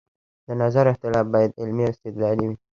د نظر اختلاف باید علمي او استدلالي وي